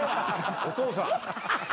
お父さん。